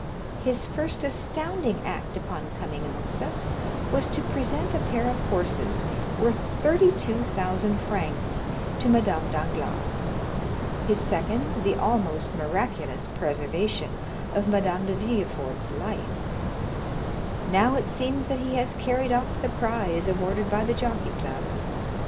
His first astounding act upon coming amongst us was to present a pair of horses, worth 32,000 francs, to Madame Danglars; his second, the almost miraculous preservation of Madame de Villefort's life; now it seems that he has carried off the prize awarded by the Jockey Club.